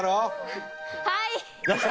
はい！